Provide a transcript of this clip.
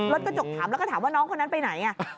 รถกระจกถามแล้วก็ถามว่าน้องคนนั้นไปไหน